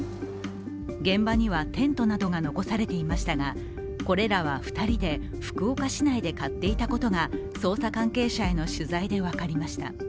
現場にはテントなどが残されていましたがこれらは２人で福岡市内で買っていたことが捜査関係者への取材で分かりました。